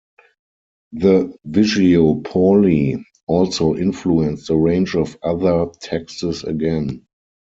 The "Visio Pauli" also influenced a range of other texts again.